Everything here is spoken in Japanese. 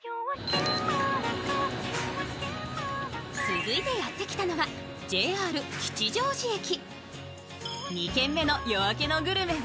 続いてやってきたのはＪＲ吉祥寺駅。